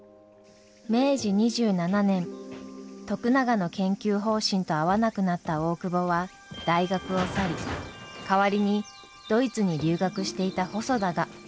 明治２７年徳永の研究方針と合わなくなった大窪は大学を去り代わりにドイツに留学していた細田が助教授に就任しました。